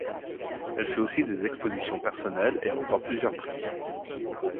Elle fait aussi des expositions personnelles et remporte plusieurs prix.